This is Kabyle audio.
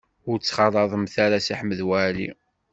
Ur ttxalaḍemt ara Si Ḥmed Waɛli.